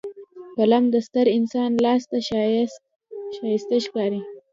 قلم د ستر انسان لاس کې ښایسته ښکاري